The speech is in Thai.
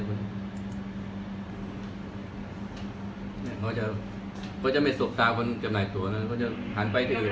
เขาจะไม่สกสาวคนเก็บหน่อยตัวเนี่ยเขาจะหันไปที่อื่น